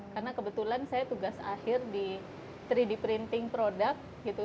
karena kebetulan saya tugas akhir di tiga d printing produk gitu